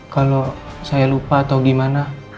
kalau saya lupa atau gimana